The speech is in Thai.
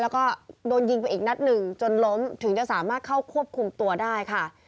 แล้วก็โดนยิงไปอีกนัดหนึ่งจนล้มถึงจะสามารถเข้าควบคุมตัวได้ค่ะ